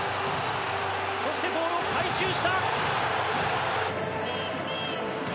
そしてボールを回収した。